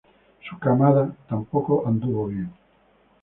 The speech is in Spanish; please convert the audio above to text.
Su camada tampoco anduvo bien.